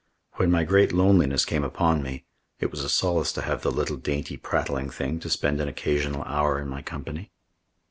When my great loneliness came upon me, it was a solace to have the little dainty prattling thing to spend an occasional hour in my company.